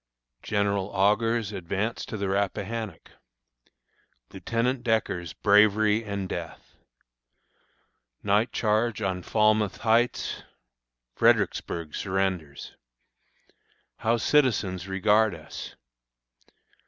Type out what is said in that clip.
General Augur's Advance to the Rappahannock. Lieutenant Decker's Bravery and Death. Night Charge on Falmouth Heights. Fredericksburg Surrenders. How Citizens regard us.